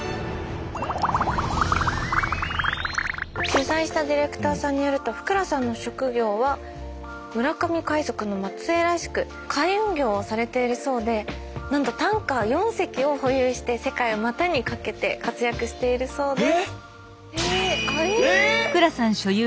取材したディレクターさんによると福羅さんの職業は村上海賊の末えいらしく海運業をされているそうでなんとタンカー４隻を保有して世界を股にかけて活躍しているそうです。え！？うわ！